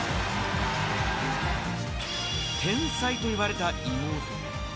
天才といわれた妹。